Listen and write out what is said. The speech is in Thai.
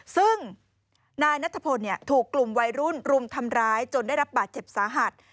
ซึ่งนายนัทพลถูกกลุ่มวัยรุ่นรุมทำร้ายจนได้รับบาดเจ็บสาหัส